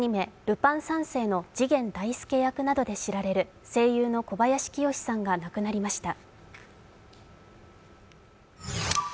「ルパン三世」の次元大介役などで知らせる声優の小林清志さんが亡くなりました。